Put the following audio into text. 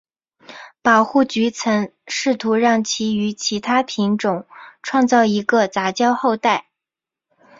保护局曾试图让其与其它品种创造一个杂交后代。